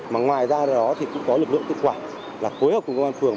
mà ngoài ra đó thì cũng có lực lượng tự quả là phối hợp cùng công an phường